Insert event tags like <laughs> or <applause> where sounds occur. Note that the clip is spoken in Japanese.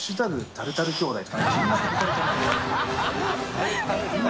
「タルタル兄弟」 <laughs>